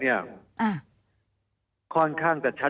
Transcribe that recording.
มีความรู้สึกว่ามีความรู้สึกว่า